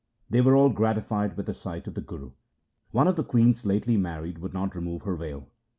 They were all gratified with a sight of the Guru. One of the queens lately married would not remove her veil.